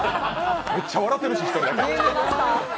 めっちゃ笑ってるし、１人だけ。